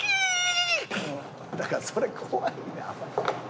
だからそれ怖いねん泡。